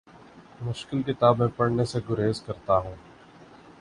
مشکل کتابیں پڑھنے سے گریز کرتا ہوں